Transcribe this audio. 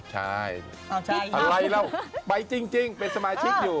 ใช่อะไรเราไปจริงเป็นสมาชิกอยู่